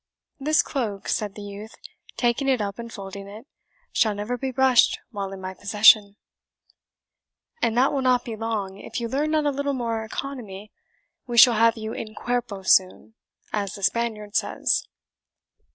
"This cloak," said the youth, taking it up and folding it, "shall never be brushed while in my possession." "And that will not be long, if you learn not a little more economy; we shall have you in CUERPO soon, as the Spaniard says."